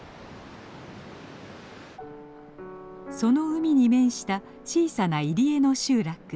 その海に面した小さな入り江の集落。